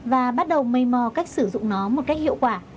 và bắt đầu mây mò cách sử dụng nó một cách hiệu quả